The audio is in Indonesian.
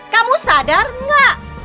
kamu sadar tidak